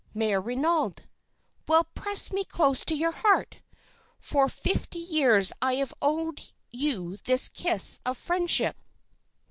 "MÈRE RENAUD. "Well, press me close to your heart. For fifty years I have owed you this kiss of friendship."